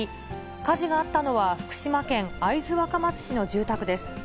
火事があったのは、福島県会津若松市の住宅です。